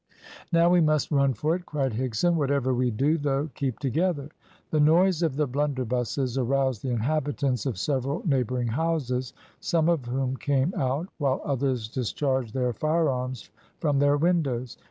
"Now we must run for it," cried Higson. "Whatever we do, though, keep together." The noise of the blunderbusses aroused the inhabitants of several neighbouring houses, some of whom came out, while others discharged their firearms from their windows.